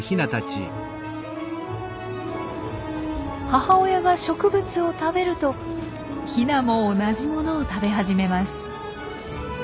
母親が植物を食べるとヒナも同じものを食べ始めます。